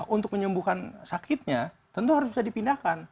untuk menyembuhkan sakitnya tentu harus bisa dipindahkan